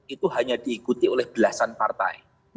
itu hanya diikuti oleh belasan partai